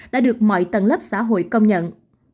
đã được mọi tầng lớp xã hội công nhận